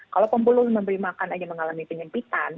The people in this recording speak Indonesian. kalau pembuluh memberi makan aja mengalami penyempitan